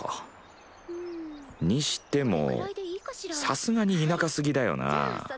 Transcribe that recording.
にしてもさすがに田舎すぎだよなぁ。